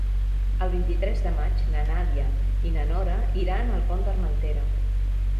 El vint-i-tres de maig na Nàdia i na Nora iran al Pont d'Armentera.